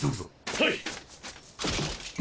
はい！